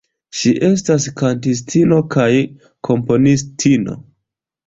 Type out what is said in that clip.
Ŝi estas kantistino kaj komponistino.